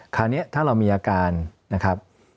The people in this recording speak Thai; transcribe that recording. คราวนี้ถ้าเรามีอาการนะครับ